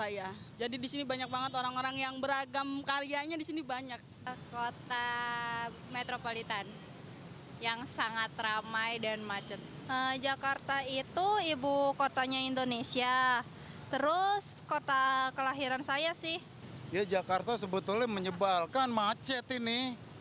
ya jakarta sebetulnya menyebalkan macet ini